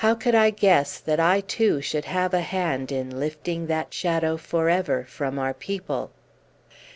How could I guess that I too should have a hand in lifting that shadow for ever from our people?